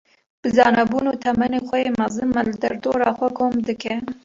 Bi zanebûn û temenê xwe yê mezin, me li derdora xwe kom dike.